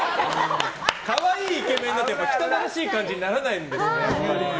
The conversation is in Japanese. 可愛いイケメンだと汚らしい感じにならないんですね。